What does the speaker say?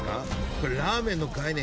これラーメンの概念